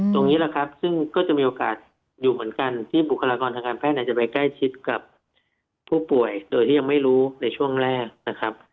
ตรงนี้แหละครับซึ่งก็จะมีโอกาสอยู่เหมือนกันที่บุคลากรทางการแพทย์จะไปใกล้ชิดกับผู้ป่วยโดยที่ยังไม่รู้ในช่วงแรกนะครับ